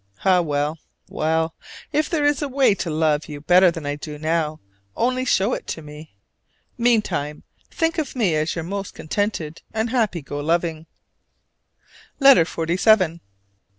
Ah well, well, if there is a way to love you better than I do now, only show it me! Meantime, think of me as your most contented and happy go loving. LETTER XLVII.